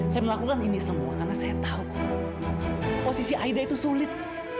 saya melakukan ini semua karena saya tahu posisi aida itu sulit